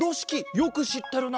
よくしってるな！